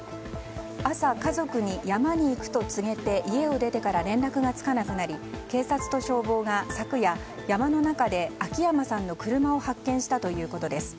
朝、家族に山に行くと告げて家を出てから連絡がつかなくなり警察と消防が昨夜、山の中で秋山さんの車を発見したということです。